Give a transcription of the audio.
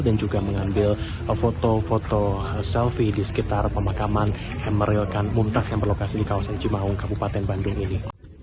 dan juga mengambil foto foto selfie di sekitar pemakaman emeril kahn muntas yang berlokasi di kawasan cimaung kabupaten bandung ini